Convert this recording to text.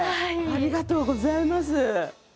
ありがとうございます。